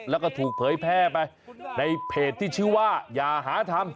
แล้วก็ถูกเผยแพร่ไปในเพจที่ชื่อว่าอย่าหาทำ